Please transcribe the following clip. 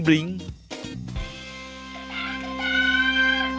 น้ำหนัก